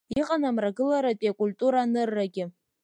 Иҟан Амрагыларатәи акультура аныррагьы.